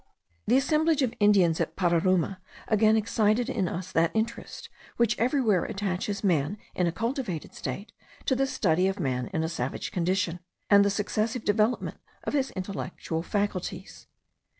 The assemblage of Indians at Pararuma again excited in us that interest, which everywhere attaches man in a cultivated state to the study of man in a savage condition, and the successive development of his intellectual faculties.